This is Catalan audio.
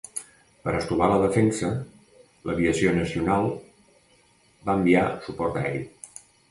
Per estovar la defensa, l'aviació nacional va enviar suport aeri.